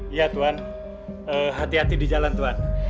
iya tuhan hati hati di jalan tuhan